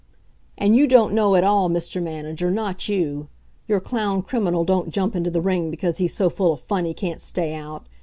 "And you don't know it all, Mr. Manager, not you. Your clown criminal don't jump into the ring because he's so full of fun he can't stay out.